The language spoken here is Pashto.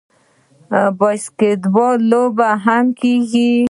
د باسکیټبال لوبې هم کیږي.